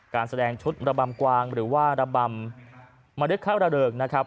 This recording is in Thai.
การแสดงชุดระบำกวางหรือว่าระบำมริข้าระเริงนะครับ